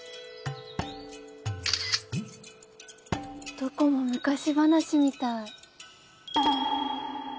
どこも昔話みたい。